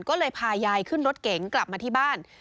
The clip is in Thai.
ก็เลยพายายขึ้นรถเก๋งกลับมาที่บ้าน